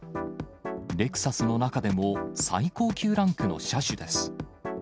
レクサスの中でも最高級ランクの車種です。